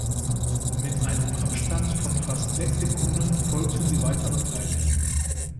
Mit einem Abstand von fast sechs Sekunden folgten die weiteren Teilnehmer.